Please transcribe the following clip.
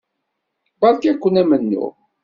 Beṛka-kent amennuɣ.